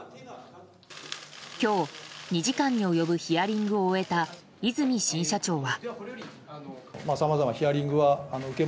今日、２時間に及ぶヒアリングを終えた和泉新社長は。